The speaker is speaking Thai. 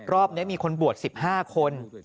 รอบนี้มีคนบวช๑๕คน